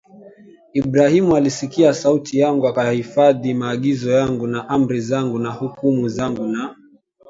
Ibrahimu alisikia sauti yangu akayahifadhi maagizo yangu na amri zangu na hukumu zangu na